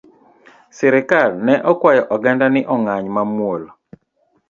Sirikal ne okwayo oganda ni ong’any mamuol